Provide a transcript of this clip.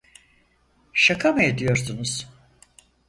Şaka mı ediyorsunuz?